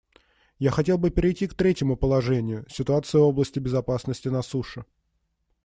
Я хотел бы перейти к третьему положению — ситуации в области безопасности на суше.